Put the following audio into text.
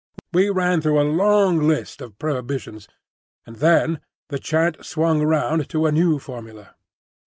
We ran through a long list of prohibitions, and then the chant swung round to a new formula.